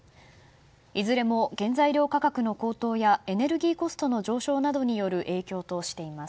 いずれも原材料価格の高騰やエネルギーコストの上昇などによる影響としています。